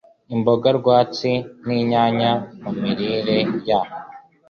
Imboga Rwatsi n’Inyanya mu Mirire y